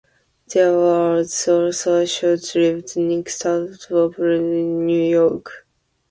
There was also a short-lived Nick Tahou's operation in Oswego, New York.